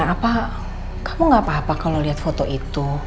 apa kamu gak apa apa kalau lihat foto itu